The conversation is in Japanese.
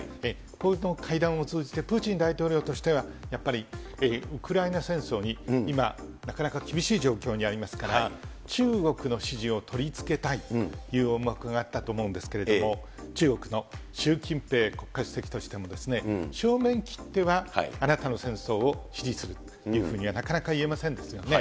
この会談を通じて、プーチン大統領としては、やっぱりウクライナ戦争に今、なかなか厳しい状況にありますから、中国の支持を取り付けたいという思惑があったと思うんですけれども、中国の習近平国家主席としても、正面きってはあなたの戦争を支持するというふうにはなかなか言えませんですよね。